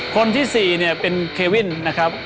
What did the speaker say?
คนที่๔เนี่ยเป็นเควินนะครับ